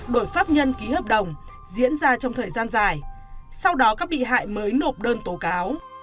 đổi pháp nhân ký hợp đồng diễn ra trong thời gian dài sau đó các bị hại mới nộp đơn tố cáo